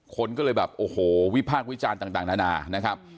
คนก็เลยแบบโอ้โหวิพากษ์วิจารณ์ต่างนานานะครับ